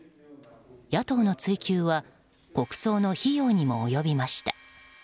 野党の追及は国葬の費用にも及びました。